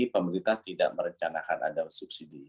pemerintah tidak merencanakan ada subsidi